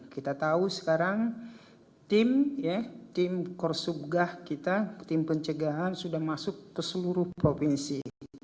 kita tahu sekarang tim korsubgah kita tim pencegahan sudah masuk ke seluruh provinsi